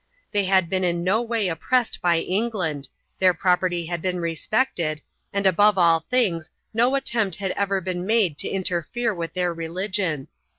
They had been in no way oppressed by England, their property had been respected, and above all things no attempt had ever been made to interfere with their religion.